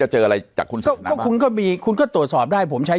เจออะไรจากคุณก็คุณก็มีคุณก็ตรวจสอบได้ผมใช้